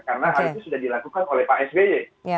karena hal itu sudah dilakukan oleh pak sby